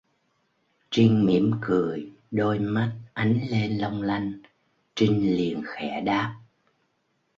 Trinh mỉm cười đôi mắt ánh lên long lanh Trinh liền khẽ đáp